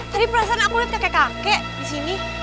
tadi perasaan aku lihat kakek kakek disini